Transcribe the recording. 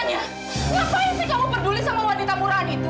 ngapain sih kamu peduli sama wanita murahan itu